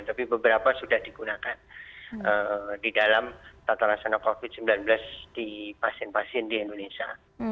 tapi beberapa sudah digunakan di dalam tata laksana covid sembilan belas di pasien pasien di indonesia